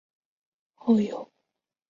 后由吴棐彝接任。